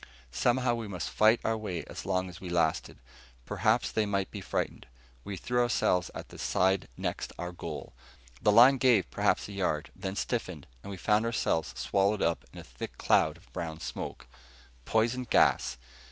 Somehow we must fight our way as long as we lasted. Perhaps they might be frightened. We threw ourselves at the side next our goal. The line gave perhaps a yard, then stiffened, and we found ourselves swallowed up in a thick cloud of brown smoke. Poison gas!